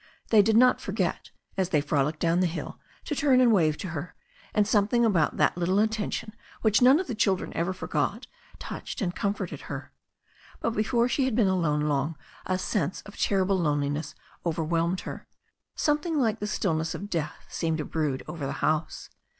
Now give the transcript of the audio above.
They did not forget, as they frolicked down the hill, to turn and wave to her, and something about that little attention, which none of her children ever forgot, touched and comforted her. But before she had been alone long a sense of terrible loneliness overwhelmed her. Something like the stillness of death seemed to brood over the house.